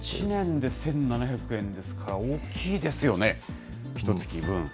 １年で１７００円ですか、大きいですよね、ひとつき分。